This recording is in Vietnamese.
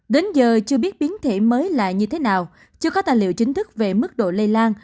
đến giờ chưa biết biến thể mới lại như thế nào chưa có tài liệu chính thức về mức độ lây lan